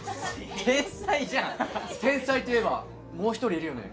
天才じゃん天才といえばもう一人いるよね